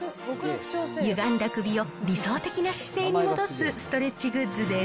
ゆがんだ首を理想的な姿勢に戻すストレッチグッズです。